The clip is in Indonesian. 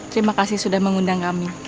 terima kasih sudah mengundang kami